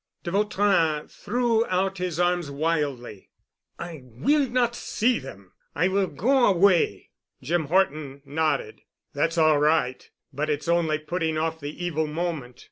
De Vautrin threw out his arms wildly. "I will not see them. I will go away." Jim Horton nodded. "That's all right—but it's only putting off the evil moment.